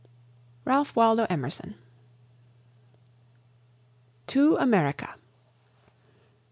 RALPH WALDO EMERSON. TO AMERICA.